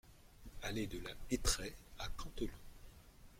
Allée de la Hetraie à Canteleu